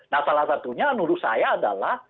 nah salah satunya menurut saya adalah